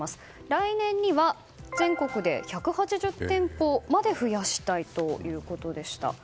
来年には全国で１８０店舗まで増やしたいということでした。